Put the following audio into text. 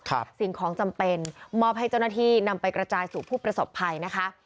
สิ่งของจำเป็นมอบให้เจ้าหน้าที่นำไปกระจายสู่ผู้ประสบภัยนะคะ